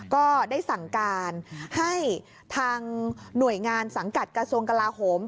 ก็ได้สั่งการให้ทางหน่วยงานสังกัดกระทรวงกลาโหม